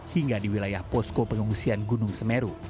hingga di wilayah posko pengungsian gunung semeru